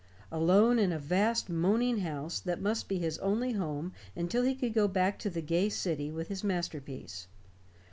Alone in a vast moaning house that must be his only home until he could go back to the gay city with his masterpiece.